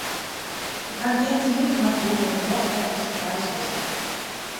Ik haw gjin tiid, mar 'k woe jimme doch efkes deisizze.